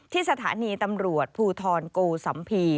ที่สถานีตำรวจภูทรโกสัมพี